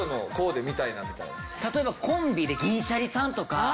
例えばコンビで銀シャリさんとか。